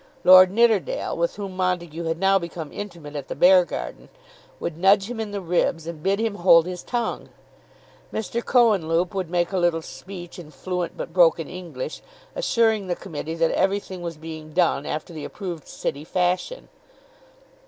Lord Nidderdale, with whom Montague had now become intimate at the Beargarden, would nudge him in the ribs and bid him hold his tongue. Mr. Cohenlupe would make a little speech in fluent but broken English, assuring the Committee that everything was being done after the approved city fashion.